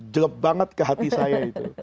jelek banget ke hati saya itu